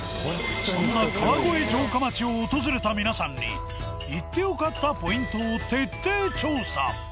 そんな川越城下町を訪れた皆さんに行って良かったポイントを徹底調査。